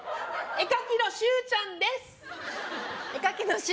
絵描きのしゅうちゃんさん